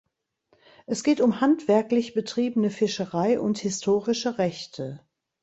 Es geht um handwerklich betriebene Fischerei und historische Rechte.